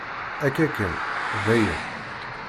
Akka kan, dayen.